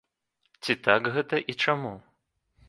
Ці так гэта і чаму?